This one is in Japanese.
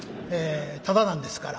タダなんですから。